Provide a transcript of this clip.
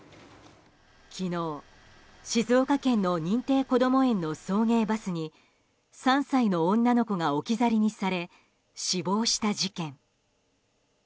昨日、静岡県の認定こども園の送迎バスに３歳の女の子が置き去りにされ死亡した事件。